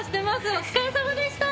お疲れさまでした。